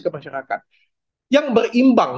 ke masyarakat yang berimbang